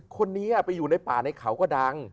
คนนี้ไปอยู่ในป่าในเขาก็ดัง